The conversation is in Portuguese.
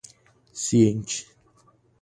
ciente